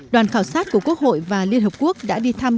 đoàn khảo sát của quốc hội và liên hợp quốc đã đi thăm